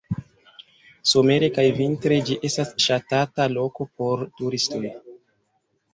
Somere kaj vintre ĝi estas ŝatata loko por turistoj.